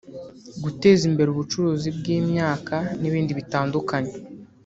guteza imbere ubucuruzi bw’imyaka n’ibindi bitandukanye